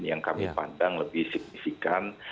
yang kami pandang lebih signifikan